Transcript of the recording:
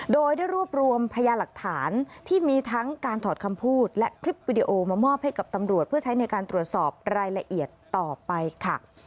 โดยได้รวบรวมพยาหลักฐานที่มีทั้งการถอดคำพูดและคลิปวิดีโอมามอบให้กับตำรวจเพื่อใช้ในการตรวจสอบรายละเอียดต่อไปค่ะ